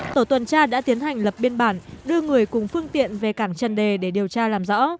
tổ tuần tra đã tiến hành lập biên bản đưa người cùng phương tiện về cảng trần đề để điều tra làm rõ